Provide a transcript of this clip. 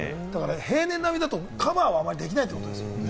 平年並みだとカバーはあんまりできないってことですね。